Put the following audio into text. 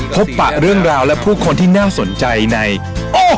พบประเรื่องราวและผู้คนที่น่าสนใจในโอ้โหไทยแลนด์